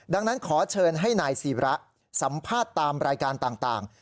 ดังนั้นขอเชิญให้นายศิระสัมภาษณ์ตามรายการต่าง